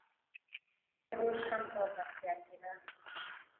پلرنۍ هديره مې اوس هم په پکتيکا کې ده.